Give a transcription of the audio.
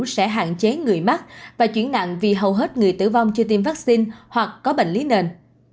sẽ hạn chế người mắc và chuyển nặng vì hầu hết người tử vong chưa tiêm vaccine hoặc có bệnh lý nền